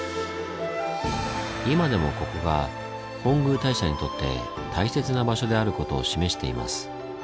今でもここが本宮大社にとって大切な場所であることを示しています。